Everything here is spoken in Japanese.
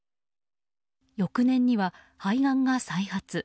翌年には肺がんが再発。